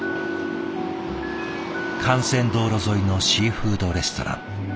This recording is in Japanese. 幹線道路沿いのシーフードレストラン。